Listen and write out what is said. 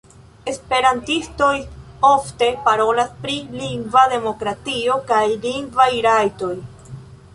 Esperantistoj ofte parolas pri lingva demokratio kaj lingvaj rajtoj.